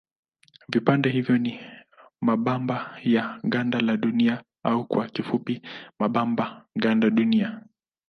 Vipande hivyo ni mabamba ya ganda la Dunia au kwa kifupi mabamba gandunia.